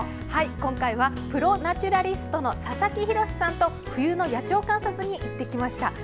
今回はプロ・ナチュラリストの佐々木洋さんと冬の野鳥観察に行ってきました。